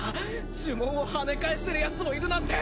呪文を跳ね返せるヤツもいるなんて。